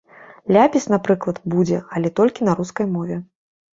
Ляпіс, напрыклад, будзе, але толькі на рускай мове.